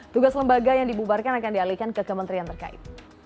tugas lembaga yang dibubarkan akan dialihkan ke kementerian terkait